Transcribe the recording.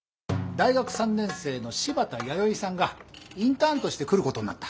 大学３年生の柴田弥生さんがインターンとして来ることになった。